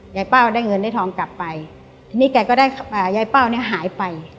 เป้าได้เงินได้ทองกลับไปทีนี้แกก็ได้ยายเป้าเนี่ยหายไป